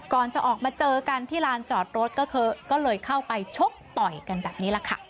ก่อนจะออกมาเจอกันที่ลานจอดรถก็เลยเข้าไปชกต่อยกันแบบนี้แหละค่ะ